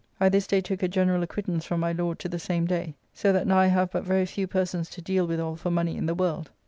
I this day took a general acquittance from my Lord to the same day. So that now I have but very few persons to deal withall for money in the world.